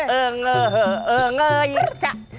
เอิงเอิงเอ่ยเจ้า